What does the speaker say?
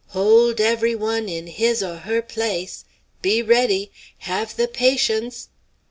Hold every one in his aw her place. Be ready! Have the patience."